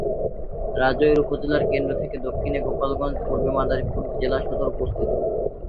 রাজৈর উপজেলার কেন্দ্র থেকে দক্ষিণে গোপালগঞ্জ, পূর্বে মাদারীপুর জেলা সদর অবস্থিত।